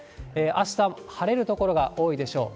あした、晴れる所が多いでしょう。